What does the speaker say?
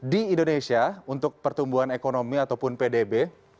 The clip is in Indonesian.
di indonesia untuk pertumbuhan ekonomi ataupun pdb